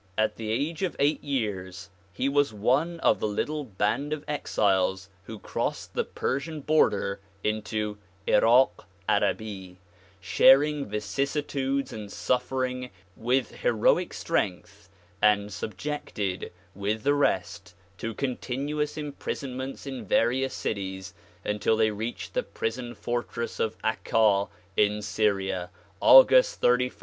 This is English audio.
At the age of eight years he was one of the little band of exiles who crossed the Persian border into Irak Arabi, sharing vicissitudes and suffering with heroic strength and sub jected with the rest to continuous imprisonments in various cities until they reached the prison fortress of Akka in Syria, August 31, 1868.